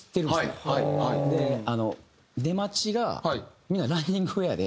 で出待ちがみんなランニングウェアで。